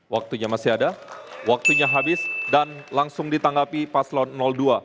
waktunya masih ada waktunya habis dan langsung ditanggapi paslon dua